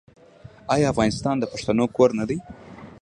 آیا افغانستان د پښتنو کور نه دی؟